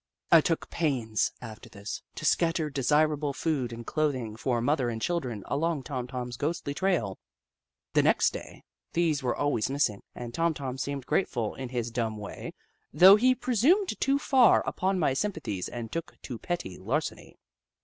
I took pains, after this, to scatter desirable food and clothing for mother and children along Tom Tom's ghostly trail. The next day these were always missing, and Tom Tom seemed grateful in his dumb way, though he presumed too far upon my sympathies and took to petty larceny.